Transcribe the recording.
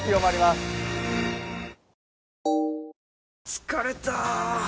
疲れた！